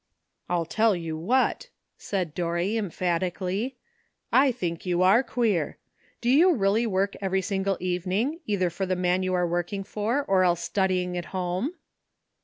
"I tell you what," said Dorry emphatically, ''I think you are queer. Do you really work every single evening, either for the man you are working for, or else studying at home